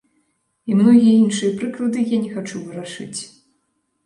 І многія іншыя прыклады я не хачу варашыць.